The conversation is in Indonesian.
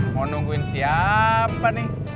mau nungguin siapa nih